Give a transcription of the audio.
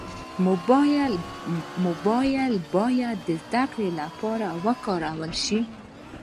موبایل باید د زدهکړې لپاره وکارول شي.